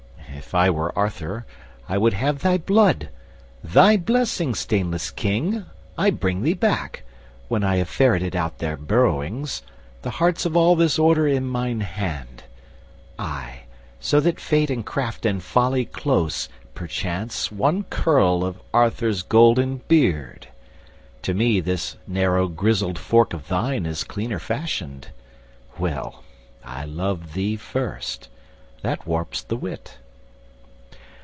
'— If I were Arthur, I would have thy blood. Thy blessing, stainless King! I bring thee back, When I have ferreted out their burrowings, The hearts of all this Order in mine hand— Ay—so that fate and craft and folly close, Perchance, one curl of Arthur's golden beard. To me this narrow grizzled fork of thine Is cleaner fashioned—Well, I loved thee first, That warps the wit."